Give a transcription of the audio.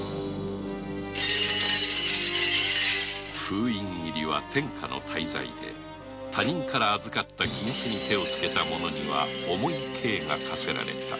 「封印切り」は天下の大罪で他人から預かった金子に手をつけた者には重刑が科せられた